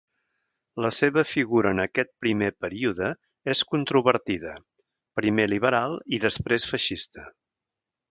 La seva figura en aquest primer període és controvertida, primer liberal i després feixista.